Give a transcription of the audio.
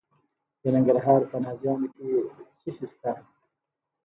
د ننګرهار په نازیانو کې څه شی شته؟